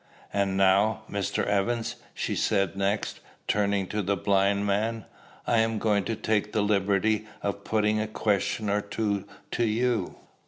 "And now, Mr. Evans," she said next, turning to the blind man, "I am going to take the liberty of putting a question or two to you."